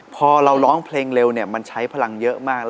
พอเราร้องเพลงเร็วมันใช้พลังเยอะมาก